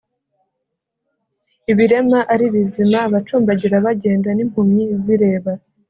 ibirema ari bizima, abacumbagira bagenda, n'impumyi zireba